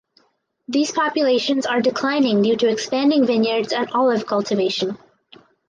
These populations are declining due to expanding vineyards and olive cultivation.